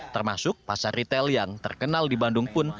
termasuk pasar retail yang terkenal di bandung pun